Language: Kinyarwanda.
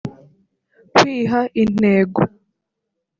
kwiha intego